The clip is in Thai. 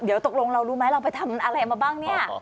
เดี๋ยวตกลงเรารู้ไหมเราไปทำอะไรมาบ้างเนี่ย